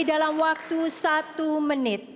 dalam waktu satu menit